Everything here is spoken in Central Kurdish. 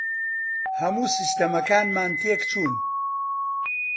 هەموو سیستەمەکانمان تێک چوون.